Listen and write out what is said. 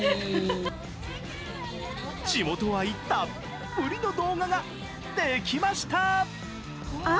地元愛たっぷりの動画ができました。